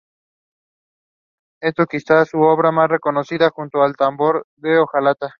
Es quizá su obra más reconocida junto con "El tambor de hojalata".